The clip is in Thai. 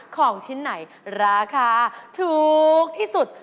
ของชิ้นไหนราคาถูกที่สุด